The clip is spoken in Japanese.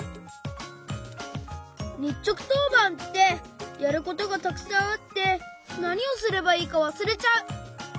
にっちょくとうばんってやることがたくさんあってなにをすればいいかわすれちゃう！